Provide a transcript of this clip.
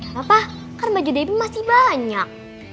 papa kan baju debi masih banyak